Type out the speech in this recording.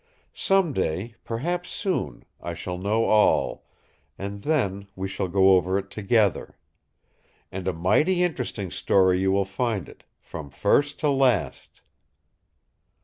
Some day, perhaps soon, I shall know all; and then we shall go over it together. And a mighty interesting story you will find it—from first to last!